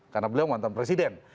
karena beliau mantan presiden